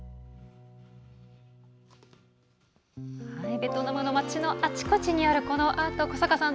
ベトナムの街のあちこちにあるアート古坂さん